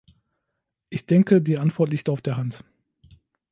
Ich denke, die Antwort liegt auf der Hand.